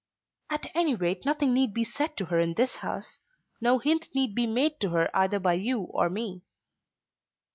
"At any rate nothing need be said to her in this house. No hint need be made to her either by you or me."